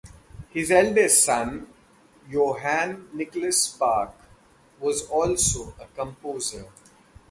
His eldest son, Johann Nicolaus Bach, was also a composer.